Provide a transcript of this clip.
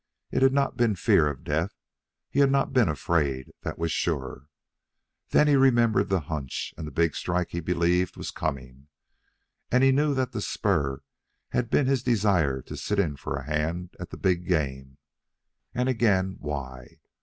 It had not been fear of death. He had not been afraid, that was sure. Then he remembered the hunch and the big strike he believed was coming, and he knew that the spur had been his desire to sit in for a hand at that big game. And again why?